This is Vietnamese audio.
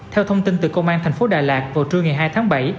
theo thông tin từ công an tp hcm vào trưa ngày hai tháng bảy